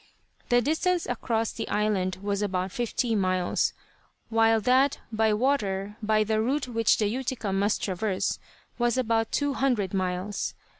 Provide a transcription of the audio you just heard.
The distance across the island was about fifty miles, while that by water, by the route which the Utica must traverse, was about two hundred miles.